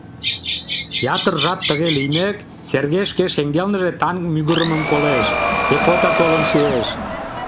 Ятыр жап тыге лиймек, Сергей шке шеҥгелныже танк мӱгырымым колеш, пехота толын шуэш.